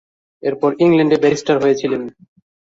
এরপর ইংল্যান্ডে ব্যারিস্টার হয়েছিলেন।